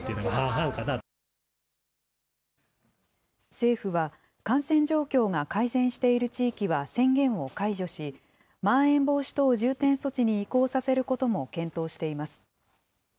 政府は、感染状況が改善している地域は宣言を解除し、まん延防止等重点措置に移行させることも検討しています。